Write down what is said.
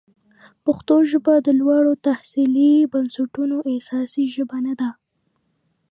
پښتو ژبه د لوړو تحصیلي بنسټونو اساسي ژبه نه ده.